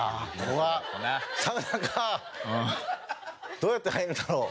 どうやって入るんだろう？